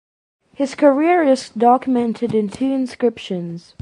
His career is documented in two inscriptions.